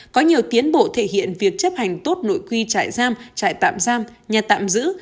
có nhiều tiến bộ thể hiện việc chấp hành tốt nội quy trại giam trại tạm giam nhà tạm giữ